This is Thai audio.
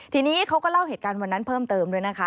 ทีนี้เขาก็เล่าเหตุการณ์วันนั้นเพิ่มเติมด้วยนะคะ